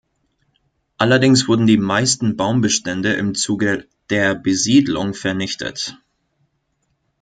Allerdings wurden die meisten Baumbestände im Zuge der Besiedlung vernichtet.